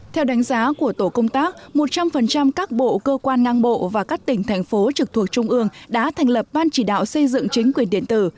theo đánh giá của tổ công tác một trăm linh các bộ cơ quan ngang bộ và các tỉnh thành phố trực thuộc trung ương đã thành lập ban chỉ đạo xây dựng chính quyền điện tử